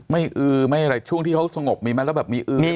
ไม่อื้อไม่อะไรช่วงที่เขาสงบมีมั้ยแล้วแบบมีอื้อมั้ย